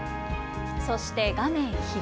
そして画面左。